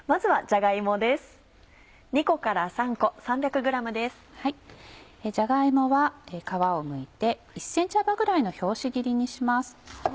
じゃが芋は皮をむいて１ｃｍ幅ぐらいの拍子木切りにします。